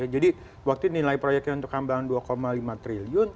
jadi waktu itu nilai proyeknya untuk hambalang dua lima triliun